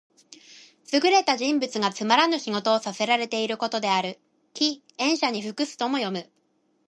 優れた人物がつまらぬ仕事をさせらていることである。「驥、塩車に服す」とも読む。